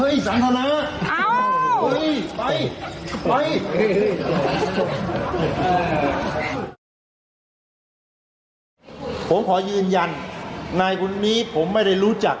เฮ้ยสันธนาเอ้าเอ้ยไปไปผมขอยืนยันนายคุณนี้ผมไม่ได้รู้จัก